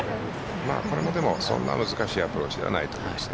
これもそんなに難しいアプローチではないと思います。